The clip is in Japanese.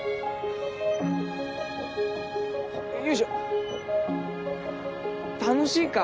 よいしょ楽しいか？